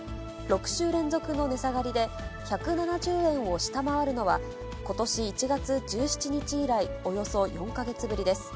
６週連続の値下がりで、１７０円を下回るのはことし１月１７日以来、およそ４か月ぶりです。